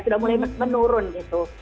sudah mulai menurun gitu